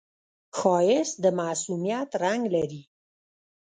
ښایست د معصومیت رنگ لري